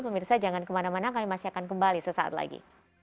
pemirsa jangan kemana mana kami masih akan kembali sesaat lagi